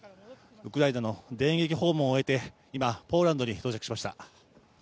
ウクライナの電撃訪問を終えて今、ポーランドに到着しました。